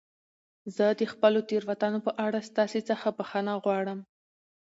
زه د خپلو تېروتنو په اړه ستاسي څخه بخښنه غواړم.